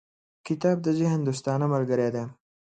• کتاب د ذهن دوستانه ملګری دی.